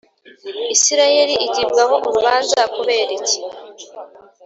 Isirayeli igibwaho urubanza kuberiki